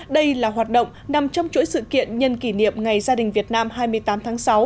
đây là hoạt động nằm trong chuỗi sự kiện nhân kỷ niệm ngày gia đình việt nam hai mươi tám tháng sáu